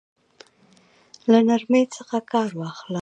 له نرمۍ څخه كار واخله!